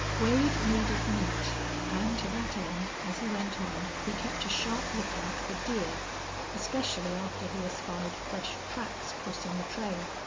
Wade needed meat, and to that end, as he went on, he kept a sharp lookout for deer, especially after he espied fresh tracks crossing the trail.